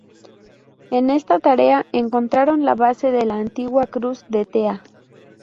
En esta tarea encontraron la base de la antigua Cruz de tea.